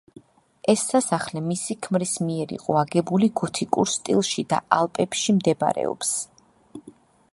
ეს სასახლე მისი ქმრის მიერ იყო აგებული გოთიკურ სტილში და ალპებში მდებარეობს.